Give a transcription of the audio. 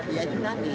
iya itu tadi